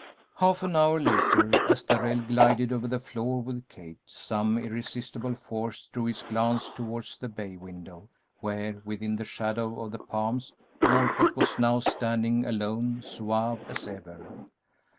Half an hour later, as Darrell glided over the floor with Kate, some irresistible force drew his glance towards the bay window where within the shadow of the palms Walcott was now standing alone, suave as ever.